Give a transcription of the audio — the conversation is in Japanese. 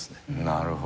なるほど。